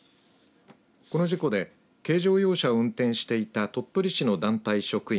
この事故で軽乗用車を運転していた鳥取市の団体職員